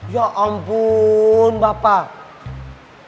ya ampun bapak